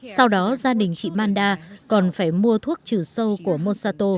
sau đó gia đình chị manda còn phải mua thuốc trừ sâu của mosato